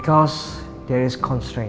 karena ada kekacauan